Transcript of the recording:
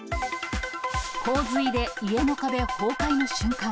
洪水で家の壁崩壊の瞬間。